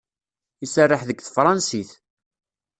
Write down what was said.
Iserreḥ deg tefṛansit.